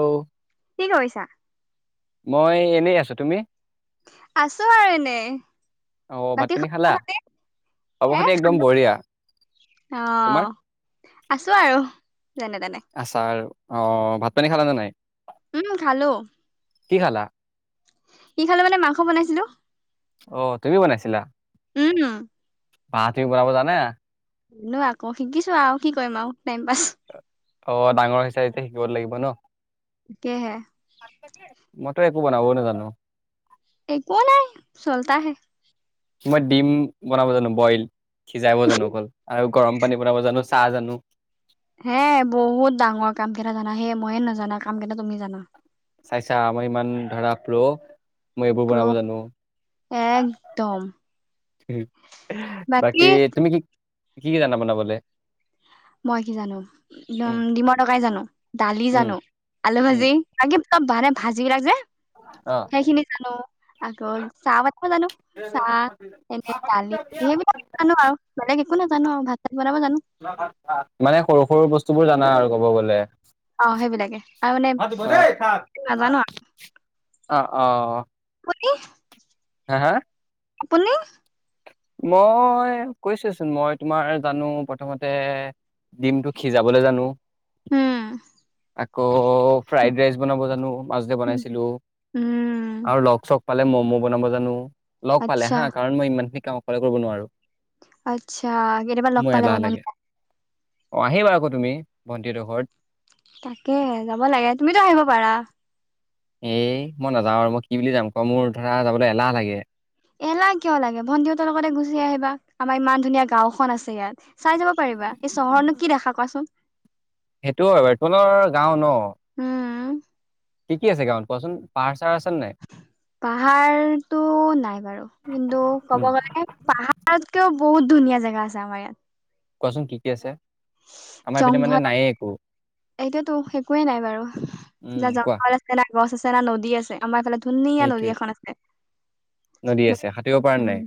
অ' কি কৰিছা? মই এনেই আছো। তুমি? আছো আৰু এনে। অ' ভাত বাকি পানী খালা খবৰ খাতি। খবৰ খাতি একদম বঢ়িয়া তোমাৰ অ' আছো আৰু যেনে তেনে। আছা আৰু অ' ভাত পানী খালানে নাই। উম, খালো। কি খালা? কি খালোঁ মানে মাংস বনাইছিলো। অ' তুমি বনাইছিলা। উম। ৱাহ তুমি বনাব জানা। নো আকৌ শিকিছো আৰু কি কৰিম আৰু টাইম পাছ। অ' ডাঙৰ হিচাপতিয়া শিকিব লাগিব ন'। ক হে। মটৰ একো বনাব নে জানো। এক নাই চলত হে। মই ডিম বনাব জানো বইল সিজাইাব জানো অকল আৰু গৰম পানী বনাব জানো চাহ জানো। হে বহুত ডাঙৰ কাম কেইটা জানা সেই মইয়ে নাজানা কাম কেইটা তুমি জানা। চাইছা আমই ইমান ধৰা প্ৰ মই এইবোৰ প্ৰ বনাব জানো। একদম। বাকী তুমি কি কি কি জানা বনাবলৈ? মই কি জানো একদম ডিমৰ দকাই জানো দালি উম জানো। আলু উম ভাজি লাগি ত ভে ভাজিবিলাক যে অ' সেইখিনি জানো। আকো চাৱতালানো। চাহ এনে দালি সেইবিলাক জানো আৰু বেলেগ একো নাজানো আৰু ভাত চাত বনাব জানো। মানে সৰু সৰু বস্তু বোৰ জানা আৰু কব গ'লে। অ' সেইবিলাকে আৰু মানে ভাত দিব দেই, ভাত। নাজানো। অ', অ'। কনে হা হা? আপুনি? মই কৈছোচোন মই তোমাৰ জানো প্ৰথমতে ডিমতটো সিজাবলৈ জানো। উম। আকৌ ফ্ৰাইড ৰাইচ বনাব জানো মাজতে বনাইছিলো উম আৰু লগ চ পালে ম'ম' বনাব জানো লগ পালে আচ্ছা হা কাৰণ মই ইমান খিনি কাম অকলে কৰিব নোৱাৰো। আচ্ছা কেতিাবা লগ মোৰ পালে এলাহ বনাম। লাগে অ' আহিবা আকৌ তুমি ভণ্টিডোখৰত। তাকে যাব লাগে তুমিতো আহিব পাৰা। এ মই নাযাওঁ আৰু মই কি বুলি যাম ক মোৰ ধৰা যাবলৈ এলাহ লাগে। এলাহ কিয় লাগে ভন্টিউতাৰ লগতে গুচি আহিবা আমাৰ ইমান ধুনীয়া গাঁওখন আছে ইয়াত। চাই যাব পাৰিবা এই চহনো কি দেখা কোৱাচোন। সেইটো বতলৰ গাও ন? উম। কি কি আছে গাঁৱত কোৱাচোন পাৰ চাৰ আছে নে নাই? পাহাৰতটো নাই বাৰু কিন্তু উম, ক'ব গ'লে পাহাৰতকেও বহুত ধুনীয়া জেগা আছে আমাৰ ইয়াত। কোৱাচোন কি কি আছে? আমাৰ এইপিনে মানে নায়ে জংঘলছে একো এইটোয়াতো একোৱে নাই বাৰু উম কোৱা জংঘল আছে আ গছ আছে না নদী আছে আমাৰ এফালে ধুনীয়া নদী সেইটোৱে এখন আছে। নদী উ, আছে সাঁতুৰিব পৰা উম, নাই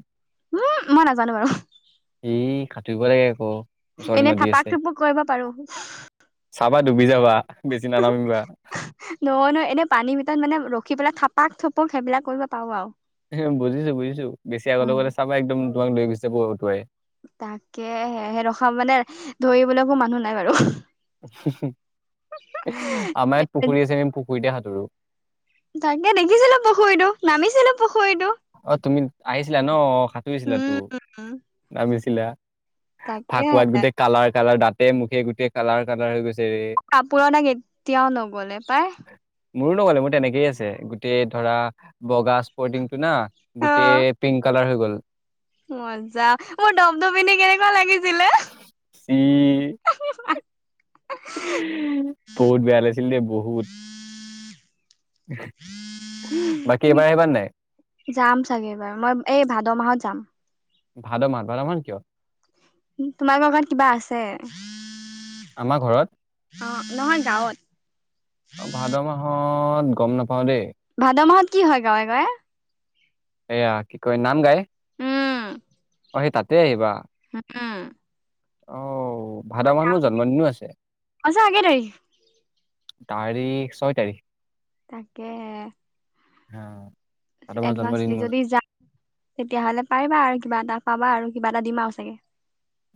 মই নাজানো বাৰু। এই কাটৰিব লাগে আকৌ। ওচৰতে এনে নদী থাপাক আছে থুপক কৰিব পাৰো। চাবা ডুবি যাবা বেছি নানামিবা। নহ নহ এনেই পানীৰ ভিতৰত মানে ৰখি পেলাই থাপাক থপক সেইবিলাক কৰিব পাৰো আৰু। এ বুজিছো বুজিছো বেছি আগলে উম গলে চাবা একদম তোমাক লৈ গোছি যাব ওতোৱাই। তাকে হে ৰখা মানে ধৰিবলৈ একো মানুহ নাই বাৰু। আমাৰ ইয়াত পুখুৰী আছে আমি পুখুৰীতে সাঁতোৰো। তাকে দেখিছিলো পুখুৰীটো নামিছিলো পুখুৰীটো। অ' তুমি আহিছিলা ন সাঁতুৰিছিলা তো উম নামিছিলা। তাকে ফাকুৱাত গোটেই কালাৰ কালাৰ দাঁতে মুখে গোটেই কালাৰ কালাৰ হৈ গৈছে কাপোৰ দাক এতিয়াও নগলে পাই মোৰো নগলে মোৰ তেনেকেই আছে গোটেই ধৰা বগা টো না গোটেই পিংক কালাৰ হৈ গ'ল মজা মোৰ টপটোপিনি কেনেকুৱা লাগিছিলে ওম বহুত বেয়া লাগিছিল দে বহুত এ যাম চাগে বাৰু মই এই ভাদ মাহত যাম ভাদ মাহত ভাদ মাহত কিয় তোমালোকৰ ঘৰত কিবা আছে আমাৰ ঘৰত অ নহয় গাঁৱত অ ভাদ মাহত গম নাপাও দেই ভাদ মাহত কি হয় গাঁৱে গাঁৱে এয়া কি কয় নাম গাই উম অ সি তাতে আহিবা হম অও ভাদ মাহ মোৰ জন্মদিনো আছে আছে আগে তাৰিখ তাৰিখ ছয় তাৰিখ তাকে অ এডভানস দি যদি যাম তেতিয়াাহ'লে পাৰিবা আৰু কিবা এটা পাবা আৰু কিবা এটা দিম আৰু চাগে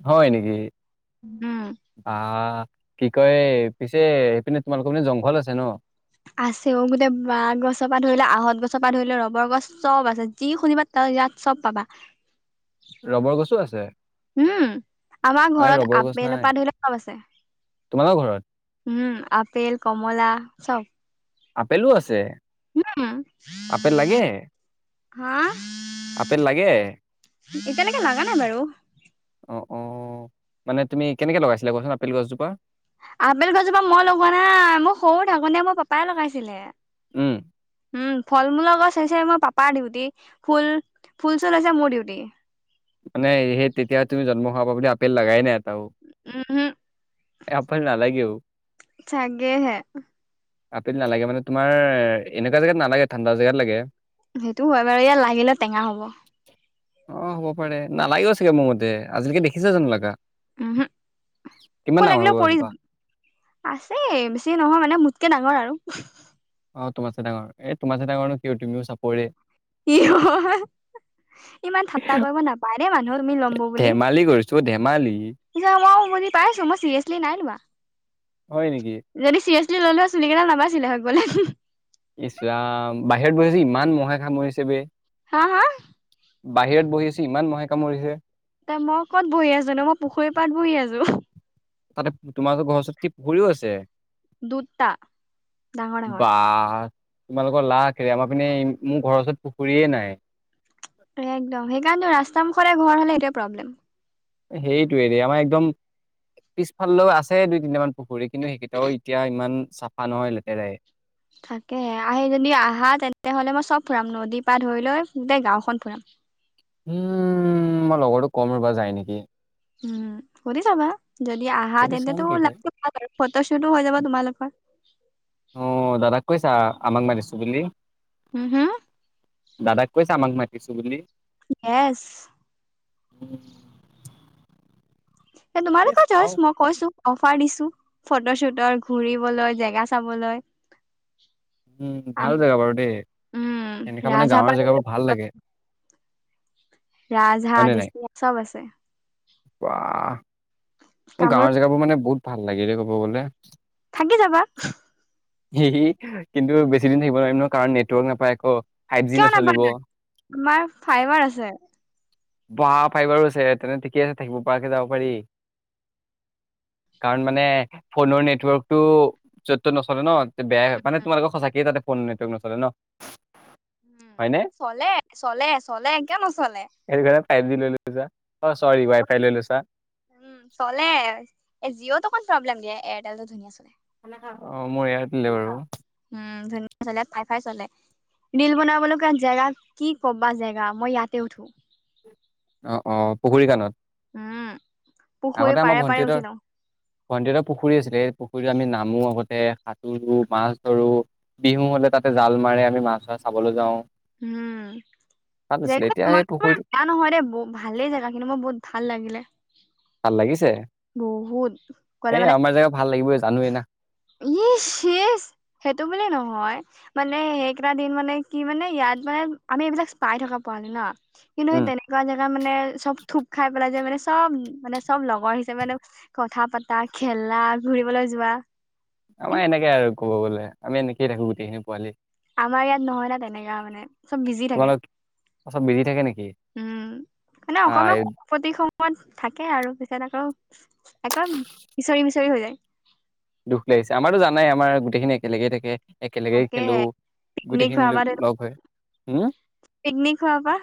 হয় নেকি উম বাহ কি কয় পিছে এইপিনে তোমালোকৰ মানে জংঘল আছে ন আছেও গোটেই বাঁহ গছৰ পৰা ধৰিলে আঁহত গছৰ পৰা ধৰিলে ৰবৰ গছ চব আছে যি শুনিবা তাৰ ইয়াত চব পাবা ৰবৰ গছো আছে উম আমাৰ ইয়াত ঘৰত ৰবৰ গছ আপেলৰ নাই পৰা ধৰি লওক চব আছে তোমালোকৰ ঘৰত উম আপেল কমলা চব আপেলো আছে উম, আপেল লাগে আহ আপেল লাগে এতিয়ালৈকে লগা নাই বাৰু অঁ অঁ মানে তুমি কেনেকৈ লগাইছিলা কোৱাছোন আপেল গছজোপা আপেল গজোপা মই লগোৱা নাই মোৰ সৰু ঢাকনীয়ে মোৰ পাপাই লগাইছিলে উম উম ফল মূলৰ গছ হৈছে মোৰ পাপাৰ ডিউটি ফুল ফুল চুল হৈছে মোৰ ডিউটি মানে সেই তেতিয়া তুম জন্ম হোৱা পা বুলি আপেল লগাগাই নে আাৰ উমহু, ন লাগে চাগেহে আপেল নালাগে মানে তোমাৰ এনেকুৱা জেগাত নালাগে ঠাণ্ডা জেগাত লাগে সেইটো হয় বাৰ ইয়াত লাগিলে টেঙা হ'ব অ হ'ব পাৰে নালাগে চাগে মোৰ মতে আজিলৈকে দেখিছে জানো লগা উম হ ফোন লাগিলেও পৰি গছজোপা যাব আছে বেছি নহয় মানে মোতকে ডাঙৰ আৰু অ তোমাৰছে ডাঙৰ এ তোমাৰছে ডাঙৰো কিয় তুমিও চাপৰে ই অ ইমান াট্টা কৰিব নাপায়ৰে মানুহ তুমি ল'মব বুলি চ' ধেমালি পি মই মুি পাইছো মই চিৰিয়াছলি নাই নিোা হয় নেকি যদি চিৰিয়াচলি ল'লেোৱা চুলি কেইটাাল নাবাছিলে হয় বোলে ইছলাম বাহিৰত গৈিছে ইমান মহে খামৰিছে ব হা হা বাহিৰত বহি আছে ইমান ম'হে কামৰিছে। এ, মই কত বহি আছো ন মই পুখুৰী পাত বহি আছো। তাতে তোমালোকৰ ঘৰৰ ওচৰত কি পুখুৰীও আছে। দুটা ডাঙৰ ডাঙৰ বাহ, তোমালোকৰ লােৰে আমাৰ পিনে মোৰ ঘৰৰ ওচৰত পুখুৰীয়েে নাই। একদম সেইকাৰণো ৰাস্তাৰ মুখৰে ঘৰ হ'লে এতিয়া প্ৰব্লেম। সেইটোৱে আমাৰ একদম। পিছফালেও আছে দুই তিনিটামান পুখুৰী কিন্তু সেইকেইটাও এতিয়া ইমান চাফা নহয় লেতেৰাই। থাকে আহি যদি আহা তেন্তে হ'লে মই চব ফুৰাম নদীৰ পা ধৰি লৈ গোটেই গাওখন ফুৰাম। উম, মই লগৰো কম ৰবা যাই নেকি। উম, সু যাবা যদি আহা সুধি চাম তেন্তটো কি ল কয়। ভাল ফটোশ্বুতো হৈ যাব তোমালোকৰ। অ, দাদাক কৈছা আমাক মাৰতিছো বুলি। উম, হয়, দাদাক কৈছে আমাক মাতিছো বুলি। ইয়েছ। [unintelligible] এ তোমালোকে ছইজ মই কৈছো। অফাৰ দিছো ফটোশ্বুটৰ ঘূৰিবলৈ জেগা চাবলৈ। উম ভাল জেগা বাৰু দেই উম, এনেকা মানে গাঁৱৰ ৰাজাপা জেগাবোৰ ভাল লাগে। ৰাজ হাহ দিছ্ত চ'ব আছে। ৱাহ মোৰ কামোৰ গাঁৱৰ জেগাবোৰ মানে বহুত ভাল লাগিল দেই কব গ'লে। থাকি যাবা। এ কিন্তু বেছি দিন থাকিব নোৱাৰিম ন কাৰণ নেটৱৰ্ক নাপায় আকৌ ফাইভ জি নচলিব। তোমাৰ ফাইবাৰ আছে। বহা, ফাইবাৰো আছে তেনে ঠিকে আছে থাকিব পৰাকে যাব পাৰি। উ কাৰণ মানে ফোনৰ নেটৱৰ্কটো। য'ত ত নচৰে ন তে বয়য়া মানে তোমাৰোকৰ সঁচাকে তাতে ফোন নেটৱৰ্ক নচৰে ন। উ হয়'নে। চলে চলে চলে কিয় নচলে। সেইটো ঘ ফাইভ জি লৈ লৈছা, অ, চৰি ৱাই ফাই লৈ লৈছা। উম, চলে এ জিঅ'টো অকণ প্ৰব্লেম দিয়ে এয়াৰটেল টো ধুনীয়া চলে। অ, মোৰ ইয়াত দিলে বাৰু। উম, ধুনীয়া চলে ফাই ফাই চলে। ৰীল, বনাব লগা জেগা কি কবা জেগা মই ইয়াতে উঠো। অ, অ, পুখুৰী কাণত। উম, পুখুৰী পাৰে পাৰে উঠি লওঁ। ভণ্টি এটা পুখুৰী আছিলে সেই পুখুৰীতটো আমি নামো আগতে সাঁতোৰো মাছ ধৰো। বিহু হ'লে তাতে জাল মাৰে আমি মাছ মছ চাবলৈ যাওঁ। উম, [unintelligible] ভাল আছিলে এতিয়া সেই পুখুৰীটো নহয় দে ভালেই জেগা কিন্তু মোৰ বহুত ভাল লাগিলে। ভাল লাগিছে বহুত গ'লে এই মানে আমাৰ জেগা ভাল লাগিবই জানোৱেই না। ইচ, ইচ সেইটো বুলি নহয়। মানে সেইকেইটা দিন মানে কি মানে ইয়াত মানে আমি এইবিলাক পাই থকা পোৱা নাই ন। কিন্তু সেই উম তেনেকুৱা জেগা মানে চব থপ খাই পেলাই যায় মানে চব মানে চ'ব লগৰ। মানে কথা পাতা খেলা ঘুৰিবলৈ যোৱা। এ, আমাৰ এনেকে আৰু ক'ব গ'লে আমি এনেকয়ে থাকো গোটেইখিনি পোৱালি। আমাৰ ইয়াত নহয় না তেনেকুৱা মানে চ'ব বিজি থাকে। তোমালোক চব বিজি থাকে নেকি উম মানে অকমান অ' প্ৰতি সময়ত থাকে আৰু পিছত আকৌ একৌ মিচৰি মিচৰি হৈ যায় দুখ লাগিছে আমাৰতো জানাই আমাৰ গোতেইখিনি একেলগে থাকে। একেলগে তাকেহে খেলোঁ পিকনিক গোটেইখিনি খোৱাৰ পৰা ধৰি লগ হৈ পিকনিক খোৱাৰ পৰা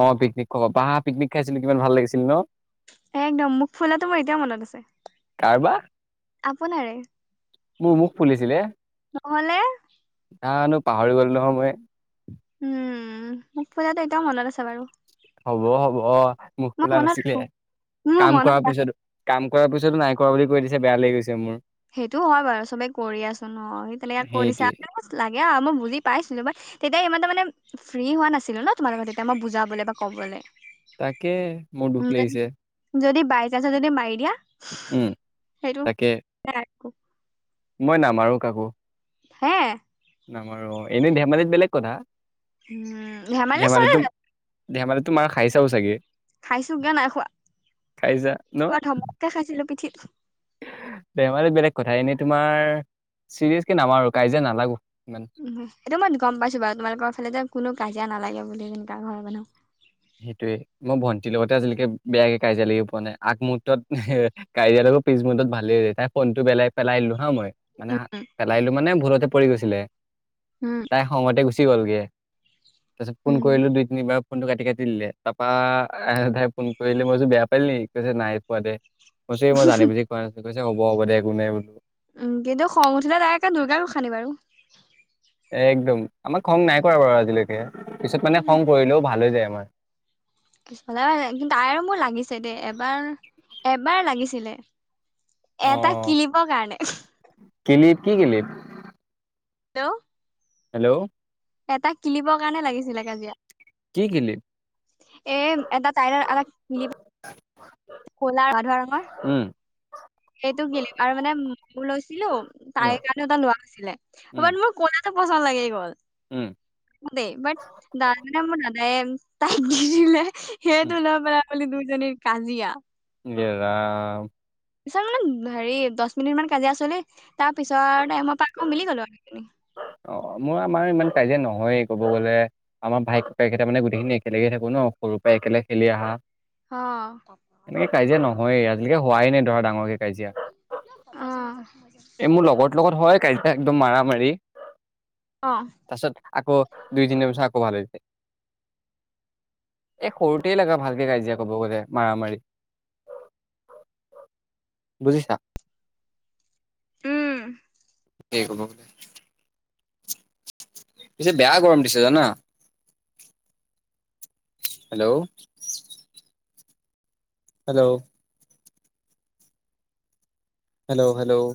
অ', পিকনিক খ বাহা পিকনিক খাইছিলো কিমান ভাল লাগিছিল ন এ একদম মোক ফুলাটোো মোৰ এতিয়াও মনত আছে কাৰবা আপোনাৰে মোৰ মুখ ফুলিছিলে নহ'লে জনো পাহৰি গলো নহয় মই উম মোক ফুলাটো এতিয়াও মনত আছে বাৰু হ'ব হ'ব মুখ মই খোলা মনত নাছিলে ৰাখো মোৰ কাম মনত কৰাৰ ৰাখো পিছতো কাম কৰাৰ পিছতো নাই কৰা বুলি কৈ দিছে বেয়া লাগি গৈছে মোৰ সেইটোও হয় বাৰু চবে কৰি আছোন অ সি তেনেকে কৈ দিছা সেইটোৱে লাগে আৰু মই বুজি পাইছিলো বাৰ তেতিয়া সিমানতে মানে ফ্ৰী হোৱা নাছিলো ন তোমাৰ লগত তেতিয়া মই বুজাবলৈ বা ক'বলৈ তাকে মোৰ দুখ লাগিছে যদি বাই চানসৰ যদি মাৰি দিয়া উম সেইটো তাকে [unintelligible] মই নামাৰো কাকো হে নামাৰো এনে ধেমালিত বেলেগ কথা উম ধেমালি চলি ধেমালিতো যায়। ধেমালিতো মাৰ খাই চাও চাগে খাইছোগে নাই খাইছা খোৱা ধমককে খাইছিলো পিঠিত। ধেমালি বেলেগ কথা এনেই তোমাৰ চিৰিয়াচ কে নামা কাই যে নালাগো ইমান উম এইটো মই গম পাইছো বাৰু তোমালোকৰ ফালে যে কোন কাজিয়া নালাগে বুলি তেনেকা ঘৰ মানুহ সেইটোয়ে মই ভণ্টিৰ লগতে আজিলৈকে বেয়াকে কাজিয়া লাগিব পোৱা নাই আগমহুৰ্তত কৰিয়া লগত পিছ মুৰুহটত ভালে হৈ য তাই ফোনটো পেলাই পেলাই দিলো হা মই মানে উম পেলাইিলো মানে ভুলতে পৰি গৈছিলে উম তাই খঙতে গুচি গ'লগে তাৰপিছত ফোন উম কৰিলো দুই তিনাৰ ফোনটো কাটি কাটি দিলে তাৰপাই ফোন কৰিলে মইতো বেয়া পালিল নেক কৈছে নাই পোৱা দে কৈছো মই জানি বুজি কৰা নাছিলো কৈছে হব হব দে একো নাই বোলো উম কিন্তু খং উঠিলে তাই একে দুৰ্গা গোঁসানী বাৰু এ একদম আমাক খং নাই কৰা বাৰু আজিলৈকে পিছত মানে উম, খং কৰিলেও ভাল হৈ যায় আমাৰ কিছফালা কিন্তু আ মোৰ লাগিছে দেই এবাৰ এবাৰ লাগিছিলে এটা কিলিপিৰ কাৰণে কেলিয় নে কেলিপ হেল্ল' হেল্ল' এটা কিলিবৰ কাৰণে লাগিছিলে কাজিয়া কি কিলিপ এ এটা [unintelligible] কলা গাধা ৰঙৰ উম সেইটো কি আৰু মানে মোৰ লৈছিলো উম তাই কাৰণেটা লোৱা হৈছিলে উম মোৰ কলাতো পচন্দ লাগে গ'ল উম দেই বাট দাদ মানে মোৰ দাদাই তাই দি দে উম সেইয়টো লৈ পেলাই বুলি দুইজনীৰ কাজিয়া হে ৰাম পিছ মে হেৰি দহ মিনিট মান কাজিয়া চলি তাৰপিছত মই পকৌ মিলি গলো আৰু নি অ', মোৰ আমাৰ ইমান কাজিয়া নহয় কব গলে আমাৰ ভাইকে একে মান গোটেই খিনি একেলগে থাকো ন সৰুৰ পৰাই একেলগ খেলি আহা অ', এনেকে কাজিয়া নহয়েই আজিলিকে হোৱাই নাই ধৰা ডাঙৰক কাজিয়া অ' এই মোৰ লগৰ লগত হয় কালিতা একদম মাৰ মাৰি, অ, তাৰপিছত আকৌ দুই তি বছ আৌ ভাল হৈ যায়। এই সৰুতে লগা ভালকে কাইজিয়া কব গ'লে মাৰ মাৰি। বুজিছা? উম, [inaudible] পিছে বেয়া গৰম দিছে জান? Hello, hello, hello hello,